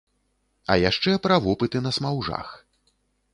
А яшчэ пра вопыты на смаўжах.